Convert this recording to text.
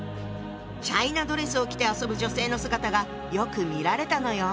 チャイナドレスを着て遊ぶ女性の姿がよく見られたのよ。